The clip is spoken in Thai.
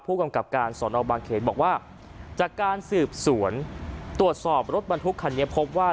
ผู้กำกับการสอนอบางเขนบอกว่าจากการสืบสวนตรวจสอบรถบรรทุกคันนี้พบว่า